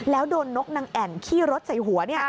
แล้วโดนนกนางแอ่นขี้รถใส่หัว